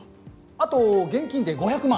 あと現金で５００万。